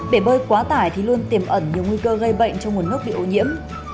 bể bơi quá tải thì luôn tìm ẩn nhiều nguy cơ gây bệnh trong nguồn nốc điệu nhiễm